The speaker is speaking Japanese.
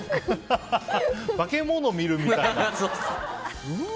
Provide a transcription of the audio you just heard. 化け物を見るみたいな。